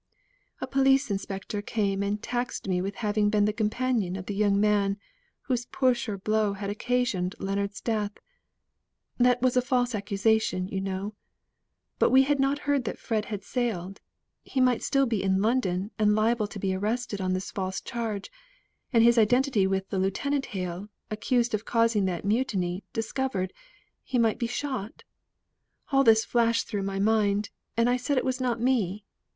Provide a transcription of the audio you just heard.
"A police inspector came and taxed me with having been a companion of the young man, whose push or blow had occasioned Leonards' death; that was a false accusation, you know, but we had not heard that Fred had sailed, he might still be in London and liable to be arrested on this false charge, and his identity with the Lieutenant Hale, accused of causing the mutiny, discovered, he might be shot; all this flashed through my mind, and I said it was not me.